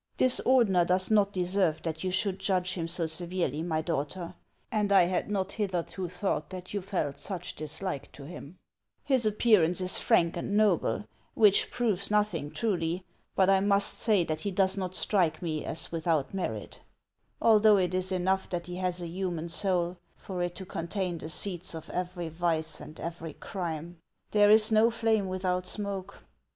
This Ordener does not deserve that you should judge him so severely, my daughter, and I had not hitherto thought that you felt such dislike to him His appearance is frank and noble, which proves nothing, truly ; but I must say that he does not strike me as without merit, 412 HANS OF ICELAND. although it is enough that he has a human soul, for it to contain the seeds of every vice and every crime. There is no flame without smoke."